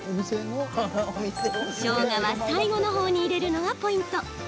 しょうがは最後の方に入れるのがポイント。